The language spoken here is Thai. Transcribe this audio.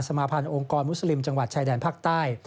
มาพันธ์องค์กรมุสลิมจังหวัดชายแดนภาคใต้